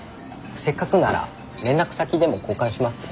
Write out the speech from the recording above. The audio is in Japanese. せっかくなら連絡先でも交換します？